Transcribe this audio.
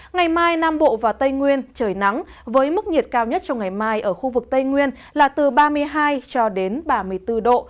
ngày mai nam bộ và tây nguyên trời nắng với mức nhiệt cao nhất trong ngày mai ở khu vực tây nguyên là từ ba mươi hai cho đến ba mươi bốn độ